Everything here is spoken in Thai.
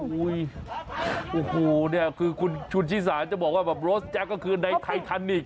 ทำงานออกชุดศิษย์จะบอกว่ารถแจ็คคือในไททานิก